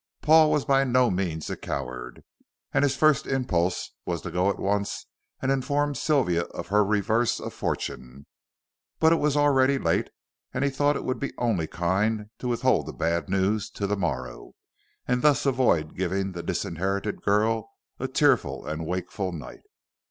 Paul was by no means a coward, and his first impulse was to go at once and inform Sylvia of her reverse of fortune. But it was already late, and he thought it would be only kind to withhold the bad news till the morrow, and thus avoid giving the disinherited girl a tearful and wakeful night.